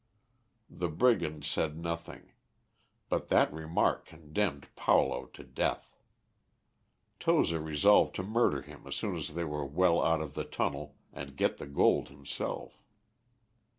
The brigand said nothing, but that remark condemned Paulo to death. Toza resolved to murder him as soon as they were well out of the tunnel, and get the gold himself.